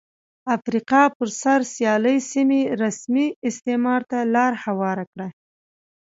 افریقا پر سر سیالۍ سیمې رسمي استعمار ته لار هواره کړه.